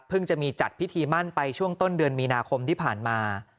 จะมีจัดพิธีมั่นไปช่วงต้นเดือนมีนาคมที่ผ่านมา